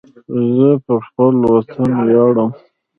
زه پر خپل وطن ویاړم